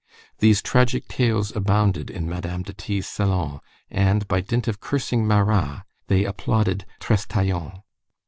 These tragic tales abounded in Madame de T.'s salon, and by dint of cursing Marat, they applauded Trestaillon.